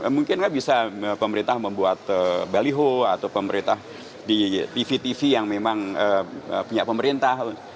mungkin nggak bisa pemerintah membuat baliho atau pemerintah di tv tv yang memang punya pemerintah